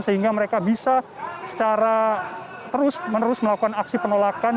sehingga mereka bisa secara terus menerus melakukan aksi penolakan